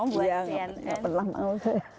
gak pernah mau